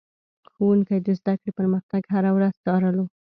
ښوونکي د زده کړې پرمختګ هره ورځ څارلو.